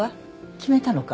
決めたのか？